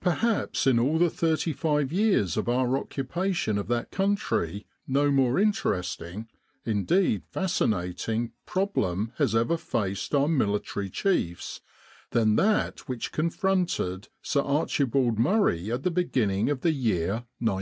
Perhaps in all the thirty five years of our occupa tion of that country no more interesting, indeed fascinating, problem has ever faced our military chiefs than that which confronted Sir Archibald Murray at the beginning of the year 1916.